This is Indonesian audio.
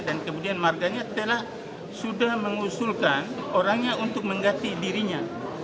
dan kemudian marganya telah sudah mengusulkan orangnya untuk mengganti dirinya